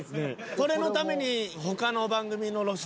これのために。